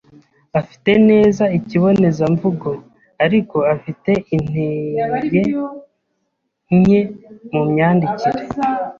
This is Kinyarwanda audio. afite neza ikibonezamvugo, ariko afite intege nke mu myandikire.